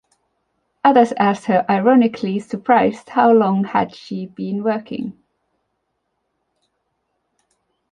Others asked her ironically surprised, how long had se been working.